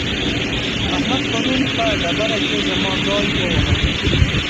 احمد پرون په ډبره کې زما ځای وواهه.